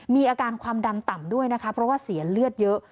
มีอาการความดันต่ำด้วยนะคะเพราะว่าเสียเลือดเยอะ